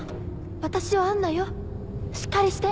私は杏奈よしっかりして！